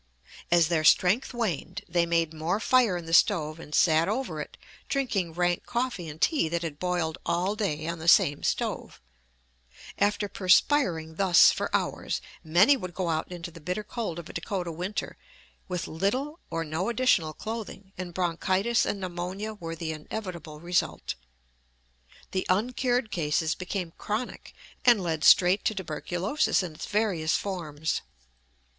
As their strength waned, they made more fire in the stove and sat over it, drinking rank coffee and tea that had boiled all day on the same stove. After perspiring thus for hours, many would go out into the bitter cold of a Dakota winter with little or no additional clothing, and bronchitis and pneumonia were the inevitable result. The uncured cases became chronic and led straight to tuberculosis in its various forms.